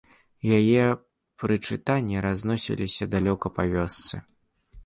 Яе прычытанні разносіліся далёка па вёсцы.